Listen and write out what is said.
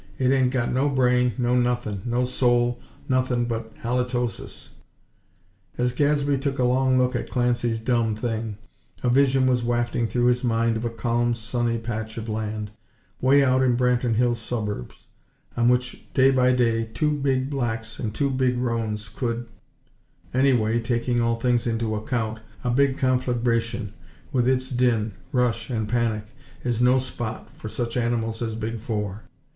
It ain't got no brain no nuthin', no soul nuthin' but halitosis!!" As Gadsby took a long look at Clancy's "dom thing," a vision was wafting through his mind of a calm, sunny patch of land, way out in Branton Hills' suburbs, on which day by day, two big blacks and two big roans could anyway, taking all things into account, a big conflagration, with its din, rush and panic, is no spot for such animals as "Big Four."